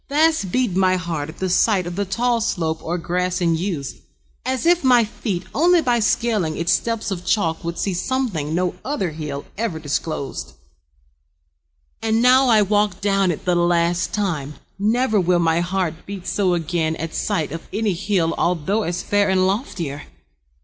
Fast beat My heart at the sight of the tall slope Or grass and yews, as if my feet Only by scaling its steps of chalk Would see something no other hill Ever disclosed. And now I walk Down it the last time. Never will My heart beat so again at sight Of any hill although as fair And loftier.